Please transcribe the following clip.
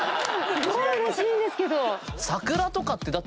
すごいうれしいんですけど。